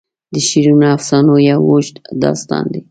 د شیرینو افسانو یو اوږد داستان دی.